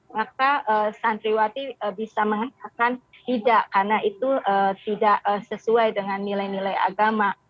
maka santriwati bisa mengatakan tidak karena itu tidak sesuai dengan nilai nilai agama